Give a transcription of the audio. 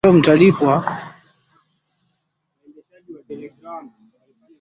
Ni Dolari za Kimarekani Billion ishirini na tatu